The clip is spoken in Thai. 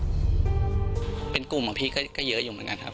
ช่วยเร่งจับตัวคนร้ายให้ได้โดยเร่ง